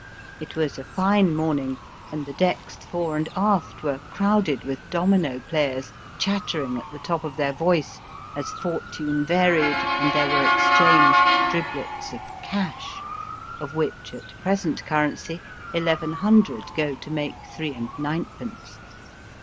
It was a fine morn ing, and the decks fore and aft were crowded with domino players, chattering at the top of their voice as fortune varied and there were exchanged driblets of cash," of which, at present currency, eleven hundred go to make three and ninepence.